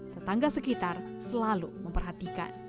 tetangga sekitar selalu memperhatikan